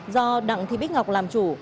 do đặng thị bích ngọc làm chủ